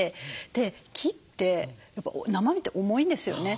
で木って生木って重いんですよね。